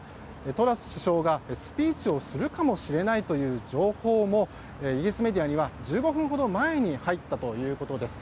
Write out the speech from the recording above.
トラス首相が、スピーチをするかもしれないという情報もイギリスメディアには１５分ほど前に入ったということです。